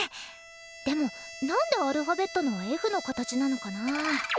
でもなんでアルファベットのｆの形なのかな？